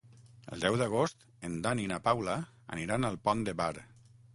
El deu d'agost en Dan i na Paula aniran al Pont de Bar.